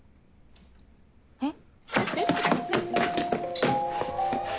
えっ？